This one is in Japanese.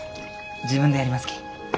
自分でやりますき。